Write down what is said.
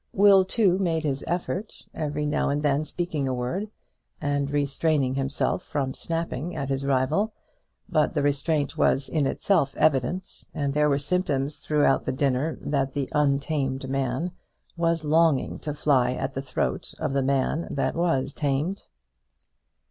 Will, too, made his effort, every now and then speaking a word, and restraining himself from snapping at his rival; but the restraint was in itself evident, and there were symptoms throughout the dinner that the untamed man was longing to fly at the throat of the man that was tamed.